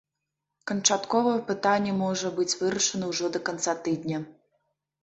Канчаткова пытанне можа быць вырашана ўжо да канца тыдня.